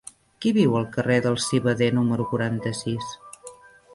Qui viu al carrer del Civader número quaranta-sis?